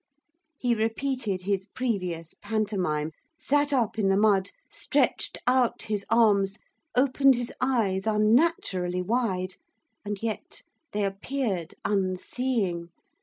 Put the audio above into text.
He repeated his previous pantomime; sat up in the mud, stretched out his arms, opened his eyes unnaturally wide, and yet they appeared unseeing!